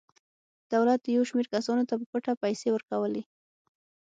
دولت یو شمېر کسانو ته په پټه پیسې ورکولې.